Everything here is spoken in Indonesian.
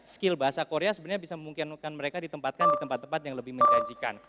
skill bahasa korea sebenarnya bisa memungkinkan mereka ditempatkan di tempat tempat yang lebih menjanjikan